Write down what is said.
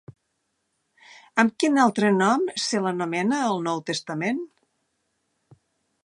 Amb quin altre nom se l'anomena al Nou Testament?